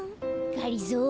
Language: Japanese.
がりぞー